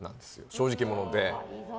正直者で。